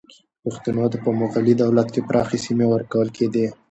پښتنو ته په مغلي دولت کې پراخې سیمې ورکول کېدې.